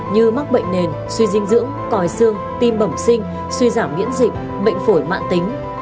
như mắc bệnh nền suy dinh dưỡng còi xương tim bẩm sinh suy giảm miễn dịch bệnh phổi mạng tính